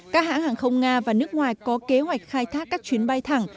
các hãng hàng không nga và nước ngoài có kế hoạch khai thác các chuyến bay thẳng